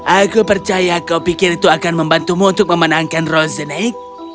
aku percaya kau pikir itu akan membantumu untuk memenangkan rosenik